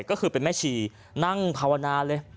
ก็คือเป็นแม่ชีนั่งภาวนาเลย